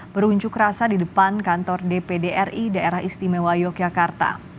berunjuk rasa di depan kantor dpd ri daerah istimewa yogyakarta